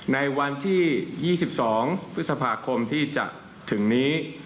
ในวันที่๒๒พฤษภาคมที่จะถึงนี้